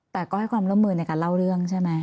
แต่ก็ให้ความร่วมมือในการเล่าเรื่องใช่ไหม